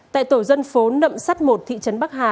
tại tổ dân phố nậm sắt một thị trấn bắc hà